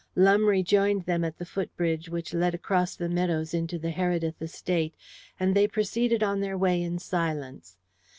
Lumbe rejoined them at the footbridge which led across the meadows into the Heredith estate, and they proceeded on their way in silence.